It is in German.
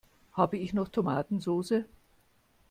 Habe ich noch Tomatensoße?